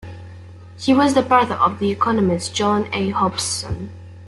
He was the brother of the economist John A. Hobson.